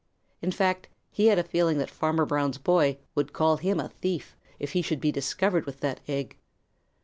In fact, he had a feeling that Farmer Brown's boy would call him a thief if he should be discovered with that egg.